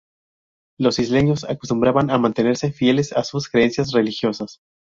Los isleños acostumbran a mantenerse fieles a sus creencias religiosas.